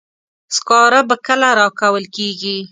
سکاره به کله راکول کیږي.